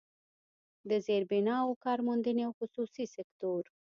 د زيربناوو، کارموندنې او خصوصي سکتور